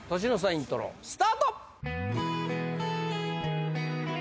イントロスタート